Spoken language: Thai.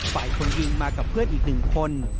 ฝ่ายคนยิงมากับเพื่อนอีกหนึ่งคน